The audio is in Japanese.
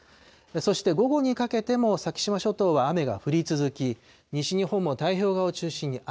そして午後にかけても先島諸島は雨が降り続き、西日本も太平洋側を中心に雨。